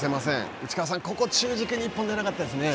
内川さん、ここ中軸に１本出なかったですね。